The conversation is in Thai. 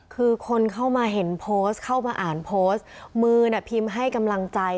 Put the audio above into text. คือคนเข้ามาเห็นโพสต์เข้ามาอ่านโพสต์มือน่ะพิมพ์ให้กำลังใจ